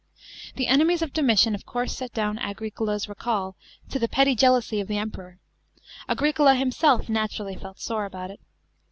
The enemies of Domitian of course set down Agricola's recall to the petty jealousy of the Emperor ; Agricola himself naturally felt sore about it.